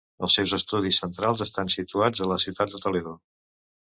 Els seus estudis centrals estan situats a la ciutat de Toledo.